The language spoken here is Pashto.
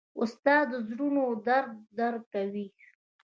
استاد د زړونو درد درک کوي.